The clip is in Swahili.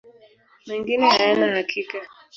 Mengine hayana hakika.